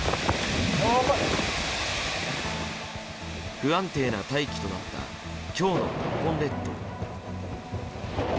不安定な大気となった今日の日本列島。